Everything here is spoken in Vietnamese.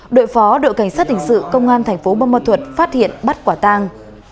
đội phó đội cảnh sát hình sự công an thành phố bông mơ thuật phát hiện bắt quả tang